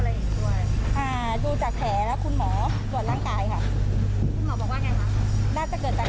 แล้วเขาต้องความโขลดว่าน้องไม่กินข้าว